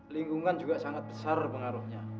lingkungan juga sangat besar pengaruhnya